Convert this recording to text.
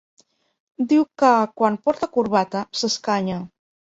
Diu que, quan porta corbata, s'escanya.